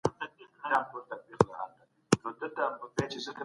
اسلامي هېوادونه ولي افغان کډوالو ته د ځای ورکولو لپاره ګډ پلان نه لري؟